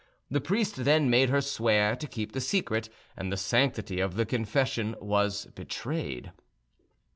The priest then made her swear to keep the secret, and the sanctity of the confession was betrayed.